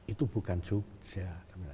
itu bukan jogja